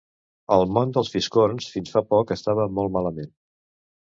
El món dels fiscorns fins fa poc estava molt malament.